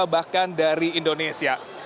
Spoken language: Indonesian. bahkan dari indonesia